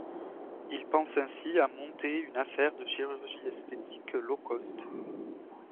Il pense ainsi à monter une affaire de chirurgie esthétique low cost.